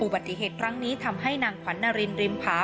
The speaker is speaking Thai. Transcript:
ปฏิเหตุครั้งนี้ทำให้นางขวัญนารินริมผา